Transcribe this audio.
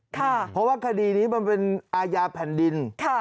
เพราะว่าคดีนี้มันเป็นอาญาแผ่นดิน